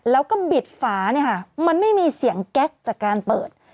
แล้วก็บิดฝาเนี่ยค่ะมันไม่มีเสียงแก๊กจากการเปิด